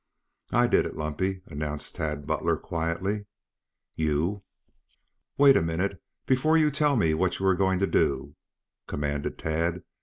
"I did it, Lumpy," announced Tad Butler quietly. "You " "Wait a minute before you tell me what you are going to do," commanded Tad.